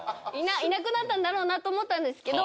いなくなったんだろうなと思ったんですけど。